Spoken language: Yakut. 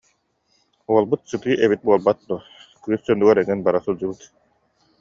Уолбут сытыы эбит буолбат дуо, кыыс дьонугар эҥин бара сылдьыбыт